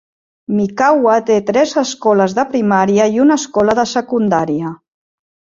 Mikawa té tres escoles de primària i una escola de secundària.